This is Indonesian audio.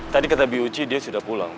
tadi kata bi uci dia sudah pulang